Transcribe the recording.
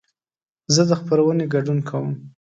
زه د خپرونې ګډون کوم.